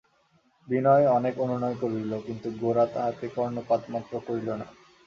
বিনয় অনেক অনুনয় করিল, কিন্তু গোরা তাহাতে কর্ণপাতমাত্র করিল না।